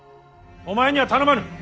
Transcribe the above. お前には頼まぬ。